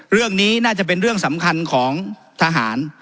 เรื่องนี้น่าจะเป็นเรื่องสำคัญของทหาร